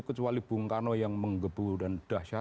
kecuali bung karno yang menggebu dan dahsyat